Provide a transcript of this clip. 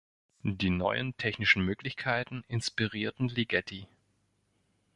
Die neuen technischen Möglichkeiten inspirierten Ligeti.